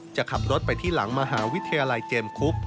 จะขับรถไปที่หลังมหาวิทยาลัยเจมสคุก